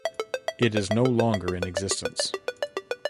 It is no longer in existence.